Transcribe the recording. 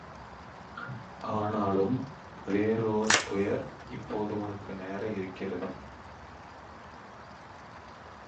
ஆனாலும் வேறோர் துயர் இப்போது உனக்கு நேர இருக்கிறது.